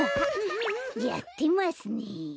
やってますね。